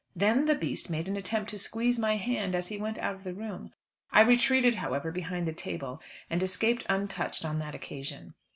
Then the beast made an attempt to squeeze my hand as he went out of the room. I retreated, however, behind the table, and escaped untouched on that occasion.